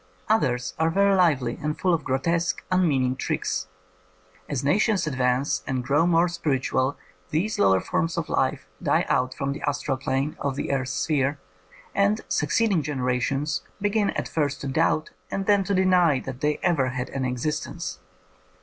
Others are very lively and full of grotesque, unmean ing tricks. ... As nations advance and grow more spiritual these lower forms of life die out from the astral plane of that earth's sphere, and succeeding generations begin at first to doubt and then to deny that they ever had anj^ existence.